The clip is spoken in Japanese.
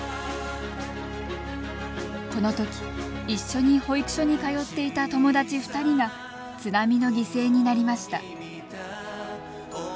このとき、一緒に保育所に通っていた友達２人が津波の犠牲になりました。